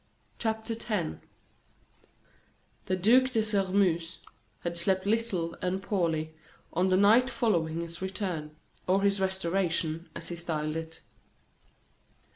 CHAPTER X The Duc de Sairmeuse had slept little and poorly on the night following his return, or his restoration, as he styled it.